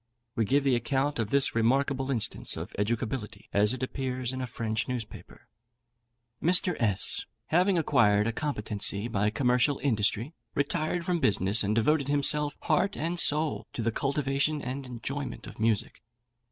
We give the account of this remarkable instance of educability as it appears in a French newspaper. Mr. S , having acquired a competency by commercial industry, retired from business, and devoted himself, heart and soul, to the cultivation and enjoyment of music.